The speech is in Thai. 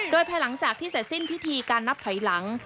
โดยภายหลังจากที่เสร็จสิ้นพิธีการนับถอยหลัง